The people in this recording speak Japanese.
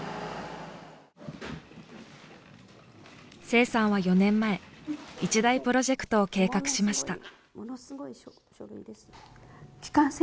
清さんは４年前一大プロジェクトを計画しました。